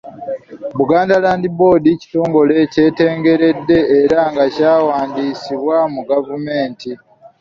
Buganda Land Board kitongole ekyetengeredde era nga kyawandiisibwa mu gavumenti.